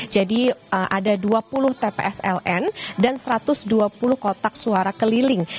jadi ada dua puluh tpsln dan satu ratus dua puluh kotak suara keliling